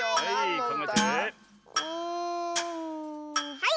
はい！